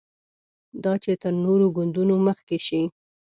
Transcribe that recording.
دا چې تر نورو ګوندونو مخکې شي.